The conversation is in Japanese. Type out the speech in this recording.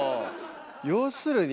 要するに。